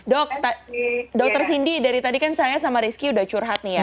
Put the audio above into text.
dok dr cindy dari tadi kan saya sama rizky udah curhat nih ya